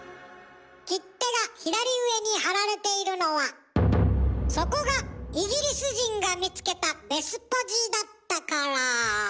切手が左上に貼られているのはそこがイギリス人が見つけたベスポジだったから。